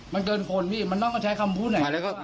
มันเกินคนพี่มันต้องมาใช้คำพูด